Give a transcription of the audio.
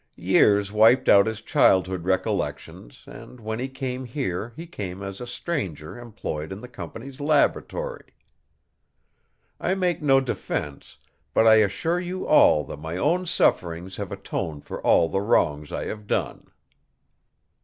Years wiped out his childhood recollections and when he came here he came as a stranger employed in the company's laboratory. I make no defense, but I assure you all that my own sufferings have atoned for all the wrongs I have done."